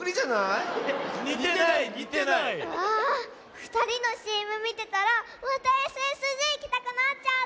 ふたりのＣＭみてたらまたＳＳＪいきたくなっちゃった。